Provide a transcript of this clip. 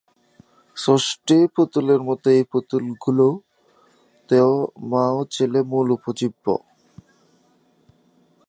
ষষ্ঠী পুতুলের মতো এই পুতুল গুলো তেও মা ও ছেলে মূল উপজীব্য।